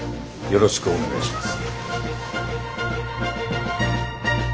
よろしくお願いします。